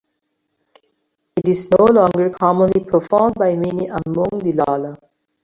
It is no longer commonly performed by many among the Lala.